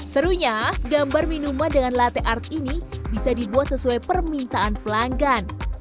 serunya gambar minuman dengan latte art ini bisa dibuat sesuai permintaan pelanggan